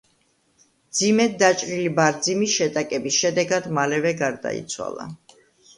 მძიმედ დაჭრილი ბარძიმი შეტაკების შედეგად მალევე გარდაიცვალა.